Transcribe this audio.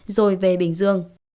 rồi về bình dương